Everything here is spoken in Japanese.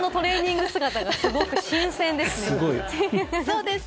そうです。